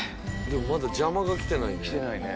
でもまだ邪魔が来てないね。